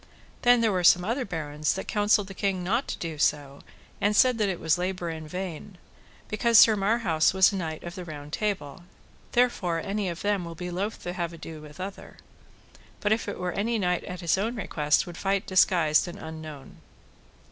Then there were some other barons that counselled the king not to do so, and said that it was labour in vain, because Sir Marhaus was a knight of the Round Table, therefore any of them will be loath to have ado with other, but if it were any knight at his own request would fight disguised and unknown.